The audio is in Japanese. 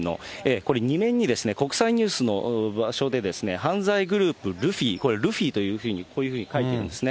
これ、２面に国際ニュースの場所で、犯罪グループ、ルフィ、これルフィというふうに、こういうふうに書いてあるんですね。